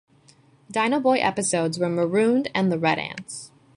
Dino Boy episodes were "Marooned" and "The Red Ants".